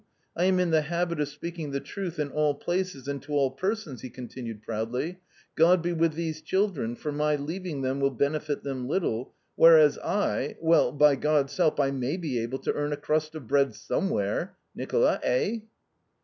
I am in the habit of speaking the truth in all places and to all persons," he continued proudly, "God be with these children, for my leaving them will benefit them little, whereas I well, by God's help I may be able to earn a crust of bread somewhere. Nicola, eh?"